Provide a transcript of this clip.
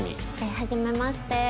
はじめまして。